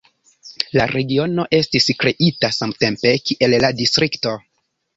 La regiono estis kreita samtempe kiel la distrikto.